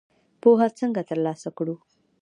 پوهه څنګه تر لاسه کړو؟